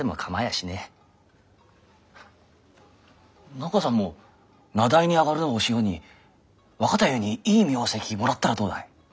中さんも名題に上がるのを潮に若太夫にいい名跡もらったらどうだい？